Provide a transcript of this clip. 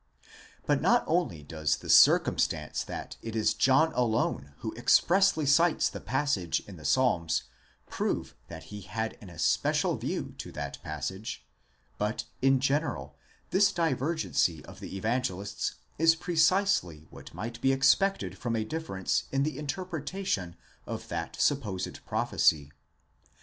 °? But not only does the circumstance that it is John alone who expressly cites the passage in the Psalms prove that he had an especial view to that passage: but, in general, this divergency of the Evangelists is precisely what might be expected from a difference in the interpretation of that supposed prophecy.